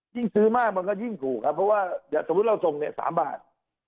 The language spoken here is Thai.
ซื้อมากมันก็ยิ่งถูกครับเพราะว่าอย่างสมมุติเราส่งเนี่ย๓บาท